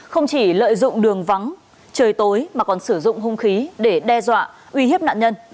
không chỉ lợi dụng đường vắng trời tối mà còn sử dụng hung khí để đe dọa uy hiếp nạn nhân